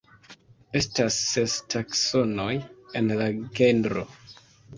Estas ses taksonoj en la genro.